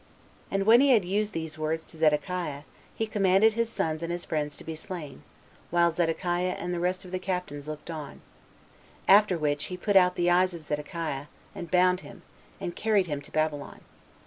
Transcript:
And when he had used these words to Zedekiah, he commanded his sons and his friends to be slain, while Zedekiah and the rest of the captains looked on; after which he put out the eyes of Zedekiah, and bound him, and carried him to Babylon.